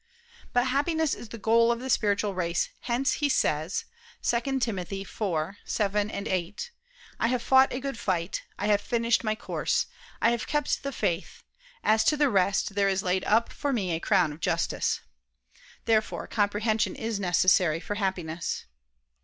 But happiness is the goal of the spiritual race: hence he says (2 Tim. 4:7, 8): "I have fought a good fight, I have finished my course, I have kept the faith; as to the rest there is laid up for me a crown of justice." Therefore comprehension is necessary for Happiness.